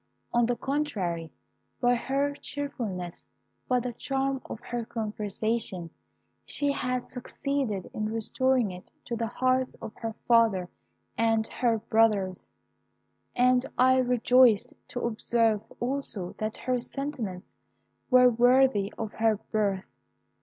On the contrary, by her cheerfulness, by the charm of her conversation, she had succeeded in restoring it to the hearts of her father and her brothers; and I rejoiced to observe also that her sentiments were worthy of her birth.